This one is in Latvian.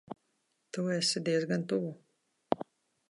Tu esi diezgan tuvu.